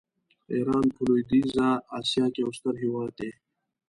ایران په لویدیځه آسیا کې یو ستر هېواد دی.